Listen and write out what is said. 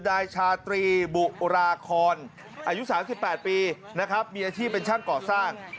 ไดชาตรีบุราคอนอายุสามสิบแปดปีนะครับมีอาชีพเป็นช่างก่อสร้าง